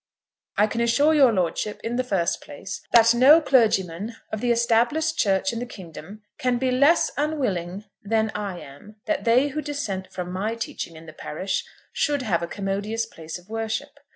I can assure your lordship, in the first place, that no clergyman of the Established Church in the kingdom can be less unwilling than I am that they who dissent from my teaching in the parish should have a commodious place of worship.